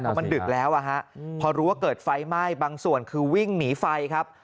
เพราะมันดึกแล้วพอรู้ว่าเกิดไฟไหม้บางส่วนคือวิ่งหนีไฟครับ